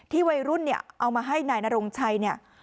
วัยรุ่นเนี่ยเอามาให้นายนรงชัยเนี่ย